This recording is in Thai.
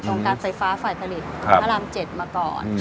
การไฟฟ้าฝ่ายผลิตพระราม๗มาก่อน